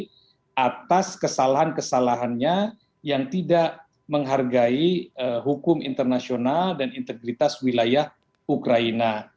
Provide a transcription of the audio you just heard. dan juga atas kesalahan kesalahannya yang tidak menghargai hukum internasional dan integritas wilayah ukraina